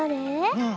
うん。